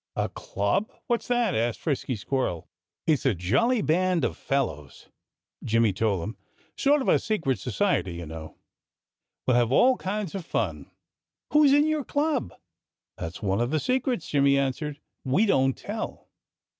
"A club? What's that?" asked Frisky Squirrel. "It's a jolly band of fellows," Jimmy told him. "Sort of a secret society, you know. We'll have all kinds of fun." "Who's in your club?" "That's one of the secrets," Jimmy answered. "We don't tell."